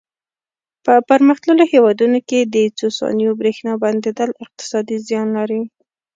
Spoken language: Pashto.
په پرمختللو هېوادونو کې د څو ثانیو برېښنا بندېدل اقتصادي زیان لري.